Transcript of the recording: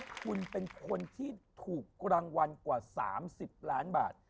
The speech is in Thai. คุณเป็นคนที่ถูกรางวัลกว่า๓๐ล้านบาท